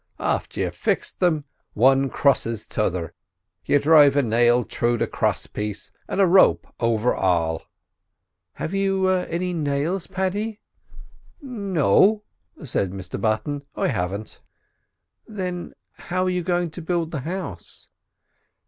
"After you've fixed thim, one cross t'other, you drive a nail through the cross piece and a rope over all." "Have you any nails, Paddy?" "No," said Mr Button, "I haven't." "Then how're you goin' to build the house?"